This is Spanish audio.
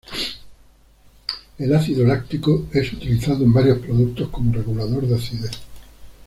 El ácido láctico es utilizado en varios productos como regulador de acidez.